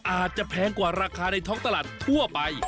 แพงกว่าราคาในท้องตลาดทั่วไป